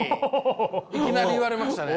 いきなり言われましたね。